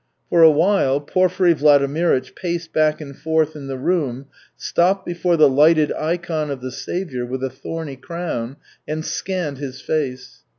For a while Porfiry Vladimirych paced back and forth in the room, stopped before the lighted ikon of the Saviour with a thorny crown, and scanned his face.